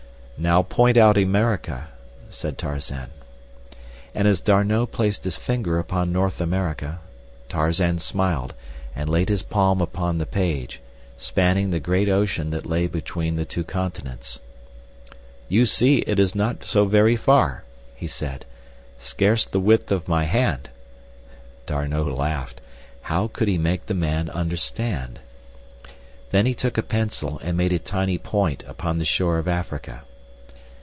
"Now point out America," said Tarzan. And as D'Arnot placed his finger upon North America, Tarzan smiled and laid his palm upon the page, spanning the great ocean that lay between the two continents. "You see it is not so very far," he said; "scarce the width of my hand." D'Arnot laughed. How could he make the man understand? Then he took a pencil and made a tiny point upon the shore of Africa.